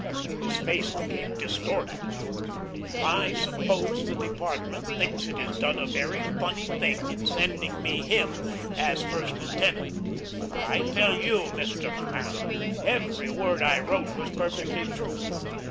His face became distorted. "I suppose the Department thinks it has done a very funny thing in sending me him as first lieutenant; but I tell you, Mr. Mahan, every word I wrote was perfectly true.